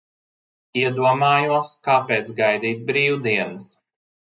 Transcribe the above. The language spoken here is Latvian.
Iedomājos, kāpēc gaidīt brīvdienas?